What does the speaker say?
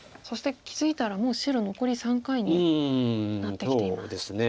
そして気付いたらもう白残り３回になってきています。